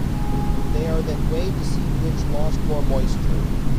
They are then weighed to see which lost more moisture.